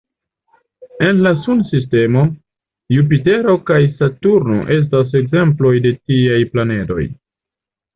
En la Sunsistemo, Jupitero kaj Saturno estas ekzemploj de tiaj planedoj.